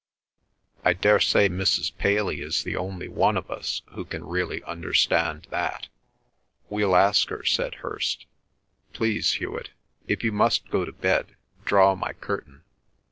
I daresay Mrs. Paley is the only one of us who can really understand that." "We'll ask her," said Hirst. "Please, Hewet, if you must go to bed, draw my curtain.